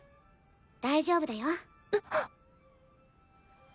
大丈夫だよ。